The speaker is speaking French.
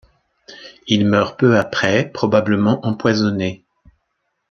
Il meurt peu après probablement empoisonné.